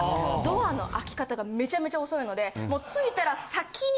ドアの開き方がめちゃめちゃ遅いのでもう着いたら。